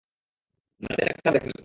দাঁতের ডাক্তার দেখান।